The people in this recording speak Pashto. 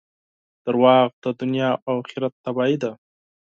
• دروغ د دنیا او آخرت تباهي ده.